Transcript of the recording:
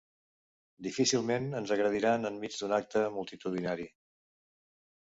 Difícilment ens agrediran en mig d’un acte multitudinari.